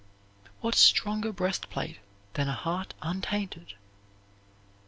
What stronger breastplate than a heart untainted?